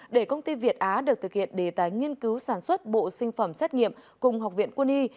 để công ty việt á được thực hiện đề tài nghiên cứu sản xuất bộ sinh phẩm xét nghiệm cùng học viện quân y